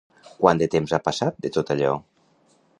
Quant de temps ha passat de tot allò?